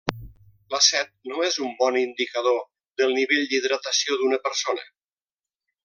La set no és un bon indicador del nivell d'hidratació d'una persona.